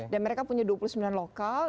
dan mereka punya dua puluh sembilan lokal